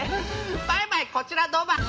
「バイバイこちらドバイ」